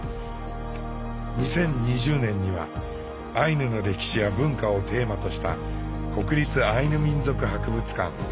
２０２０年にはアイヌの歴史や文化をテーマとした国立アイヌ民族博物館およびウポポイがオープン。